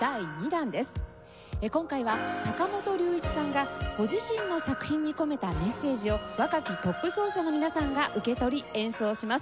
今回は坂本龍一さんがご自身の作品に込めたメッセージを若きトップ奏者の皆さんが受け取り演奏します。